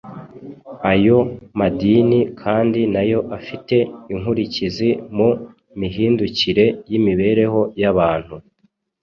Ayo madini kandi nayo afite inkurikizi mu mihindukire y'imibereho y'abantu